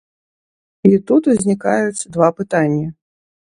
І тут узнікаюць два пытанні.